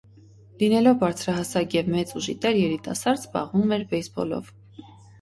Լինելով բարձրահասակ և մեծ ուժի տեր երիտասարդ զբաղվում էր բեյսբոլով։